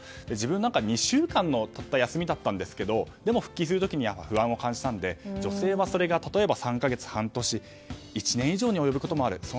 自分なんかたった２週間の休みだったんですがでも、復帰する時は不安を感じたので女性はそれが例えば３か月、半年１年以上に及ぶこともある。